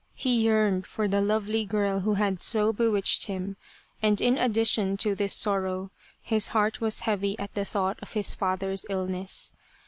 He yearned for the lovely girl who had so bewitched him, and in addition to this sorrow his heart was heavy at the thought of his father's illness.